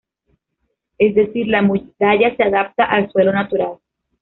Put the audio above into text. Es decir, la muralla se adapta al suelo natural.